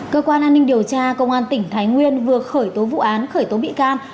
cơ quan an ninh điều tra công an tỉnh thái nguyên vừa khởi tố vụ án khởi tố bị can